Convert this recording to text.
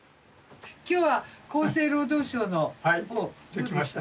今日は厚生労働省のほうどうでした？